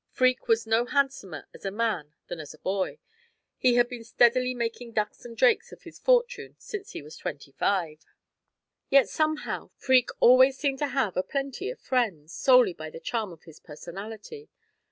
Freke was no handsomer as a man than as a boy; he had been steadily making ducks and drakes of his fortune since he was twenty five; yet, somehow, Freke always seemed to have a plenty of friends, solely by the charm of his personality.